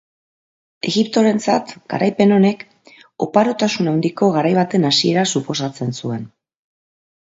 Egiptorentzat, garaipen honek, oparotasun handiko garai baten hasiera suposatzen zuen.